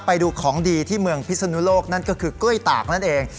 ไปดูของดีที่เมืองพิศนุโลกนั่นก็คือกล้วยตากนั่นเอง